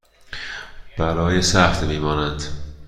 آنها برای سه هفته می مانند.